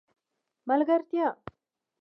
ملګرتیا